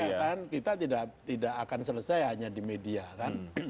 iya kan kita tidak akan selesai hanya di media kan